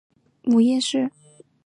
母阎氏。